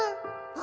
「あ！」